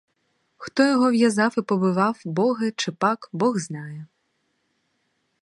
Хто його в'язав і побивав, боги, чи пак, бог знає.